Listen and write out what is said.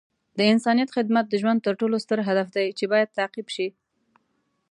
د انسانیت خدمت د ژوند تر ټولو ستر هدف دی چې باید تعقیب شي.